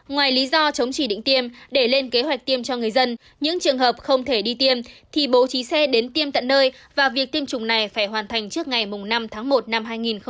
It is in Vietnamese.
ngoài lý do chống chỉ định tiêm để lên kế hoạch tiêm cho người dân những trường hợp không thể đi tiêm thì bố trí xe đến tiêm tận nơi và việc tiêm chủng này phải hoàn thành trước ngày năm tháng một năm hai nghìn hai mươi